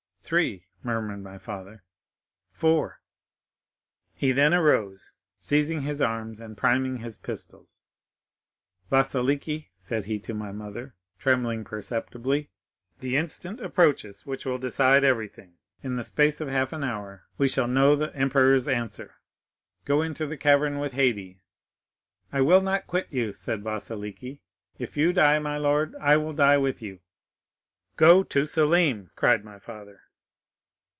—three!' murmured my, father;—'four!' He then arose, seizing his arms and priming his pistols. 'Vasiliki,' said he to my mother, trembling perceptibly, 'the instant approaches which will decide everything. In the space of half an hour we shall know the emperor's answer. Go into the cavern with Haydée.'—'I will not quit you,' said Vasiliki; 'if you die, my lord, I will die with you.'—'Go to Selim!' cried my father.